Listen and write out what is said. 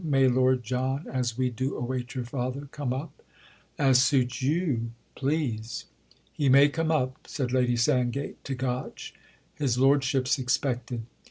"May Lord John—as we do await your father—come up?" "As suits you, please!" "He may come up," said Lady Sandgate to Gotch. "His lordship's expected."